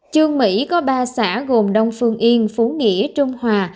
trương mỹ có ba xã gồm đông phương yên phú nghĩa trung hòa